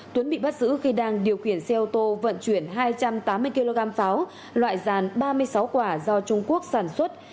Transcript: tuấn bị bắt giữ khi đang điều khiển xe ô tô vận chuyển hai trăm tám mươi kg pháo loại dàn ba mươi sáu quả do trung quốc sản xuất